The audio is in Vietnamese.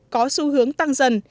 có xu hướng tăng dần